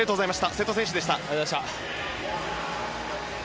瀬戸選手でした。